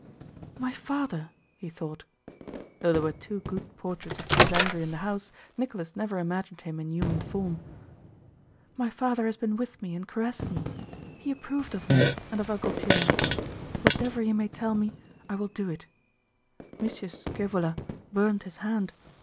"My father!" he thought. (Though there were two good portraits of Prince Andrew in the house, Nicholas never imagined him in human form.) "My father has been with me and caressed me. He approved of me and of Uncle Pierre. Whatever he may tell me, I will do it. Mucius Scaevola burned his hand.